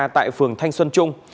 tại phường thanh xuân trung